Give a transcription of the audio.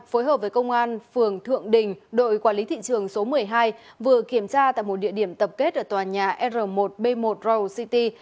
phối hợp với công an phường thượng đình đội quản lý thị trường số một mươi hai vừa kiểm tra tại một địa điểm tập kết ở tòa nhà r một b một roworld city